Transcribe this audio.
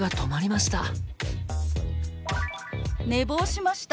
「寝坊しました」。